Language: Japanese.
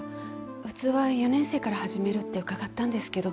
普通は４年生から始めるって伺ったんですけど。